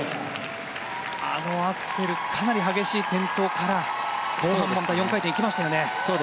あのアクセルかなり激しい転倒から後半の４回転に行きましたよね。